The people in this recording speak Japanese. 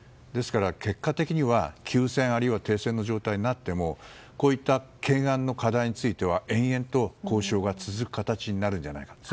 ですから結果的には休戦あるいは停戦の状態になってもこういった懸案の課題については延々と交渉が続く形になるんじゃないか。